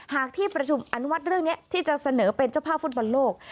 หากที่ประชุมอนุมัติเรื่องนี้ที่จะเสนอเป็นเจ้าภาพฟุตบอลโลก